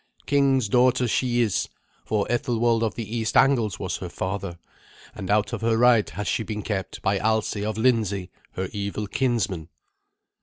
King's daughter she is, for Ethelwald of the East Angles was her father, and out of her right has she been kept by Alsi of Lindsey, her evil kinsman."